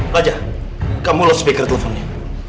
raja kamu lost speaker teleponnya